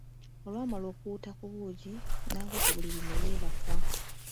Olwamala okuwuuta ku buugi, n'aggwa ku buliriri ne yeebaka.